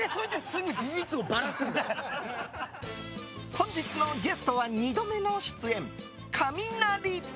本日のゲストは２度目の出演、カミナリ！